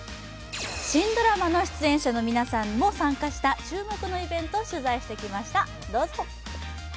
新ドラマの出演者の皆さんも参加した注目のイベントを取材してきました、どうぞ！